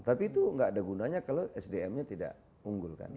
tapi itu nggak ada gunanya kalau sdm nya tidak unggul kan